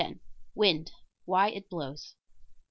WIND WHY IT BLOWS.